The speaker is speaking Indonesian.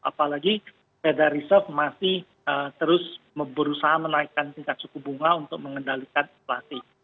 apalagi feda reserve masih terus berusaha menaikkan tingkat suku bunga untuk mengendalikan inflasi